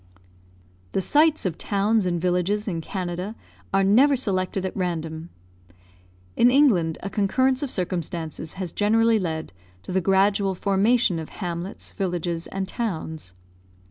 The sites of towns and villages in Canada are never selected at random. In England, a concurrence of circumstances has generally led to the gradual formation of hamlets, villages, and towns.